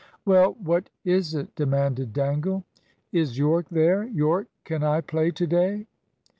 "Well! what is it?" demanded Dangle. "Is Yorke there? Yorke, can I play to day?"